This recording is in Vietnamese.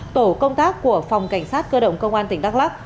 tổ công tác của phòng cảnh sát cơ động công an tỉnh đắk lắc